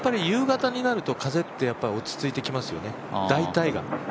夕方になると風って落ち着いてきますよね。